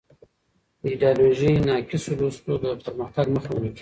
د ایډیالوژۍ ناقصو لوستو د پرمختګ مخه ونیوله.